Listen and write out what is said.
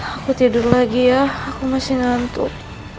aku tidur lagi ya aku masih ngantuk